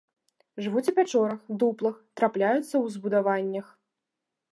Жывуць у пячорах, дуплах, трапляюцца ў збудаваннях.